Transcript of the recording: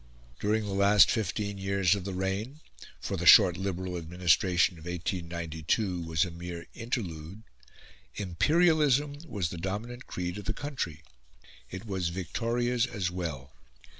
During the last fifteen years of the reign for the short Liberal Administration of 1892 was a mere interlude imperialism was the dominant creed of the country. It was Victoria's as well.